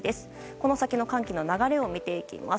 この先の寒気の流れを見ていきます。